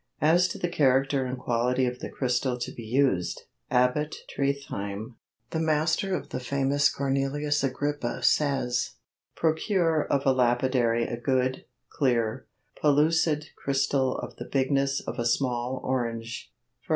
As to the character and quality of the crystal to be used, Abbot Tritheim, the master of the famous Cornelius Agrippa, says: Procure of a lapidary a good, clear, pellucid crystal of the bigness of a small orange,—_i.e.